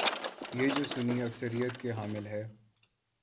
گے جو سنی اکثریت کے حامل ہیں؟